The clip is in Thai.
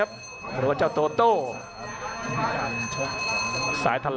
อัศวินาศาสตร์